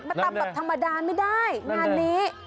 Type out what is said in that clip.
ตำแบบธรรมดาไม่ได้งานนี้